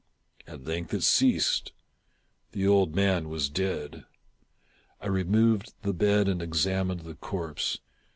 At length it ceased. The old man was dead. I removed the bed and examined the corpse.